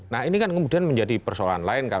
nah ini kan kemudian menjadi persoalan lain kan